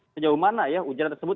sejauh mana ya hujan tersebut